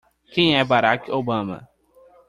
Quem é Barack Obama?